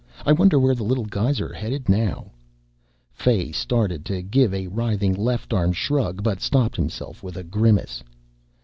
I wonder where the little guys are headed now?" Fay started to give a writhing left armed shrug, but stopped himself with a grimace.